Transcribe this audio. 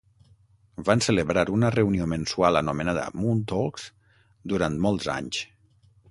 Van celebrar una reunió mensual anomenada "Moontalks" durant molts anys.